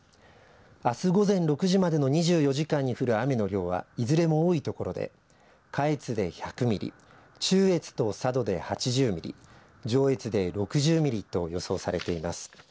あす午前６時までの２４時間に降る雨の量はいずれも多いところで下越で１００ミリ中越と佐渡で８０ミリ上越で６０ミリと予想されています。